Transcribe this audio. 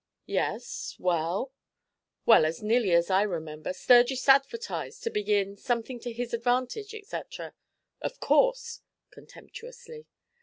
'Yes well?' 'Well, as nearly as I remember, Sturgis advertised, to begin, "something to his advantage," etc.' 'Of course!' contemptuously.